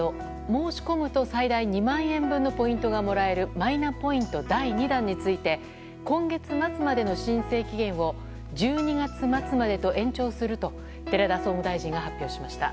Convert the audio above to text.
申し込むと、最大２万円分のポイントがもらえるマイナポイント第２弾について今月末までの申請期限を１２月まで延長すると寺田総務大臣が発表しました。